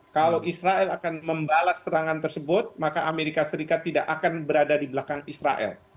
kalau israel akan membalas serangan tersebut maka amerika serikat tidak akan berada di belakang israel